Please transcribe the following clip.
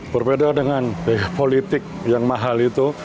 berbeda dengan politik yang mahal itu